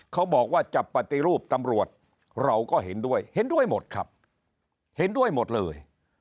เขาบอกว่าจะปฏิรูปตำรวจเราก็เห็นด้วยเห็นด้วยหมดครับเห็นด้วยหมดเลย